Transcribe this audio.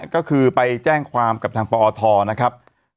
ก็คือไปแจ้งความกับทางปอทนะครับ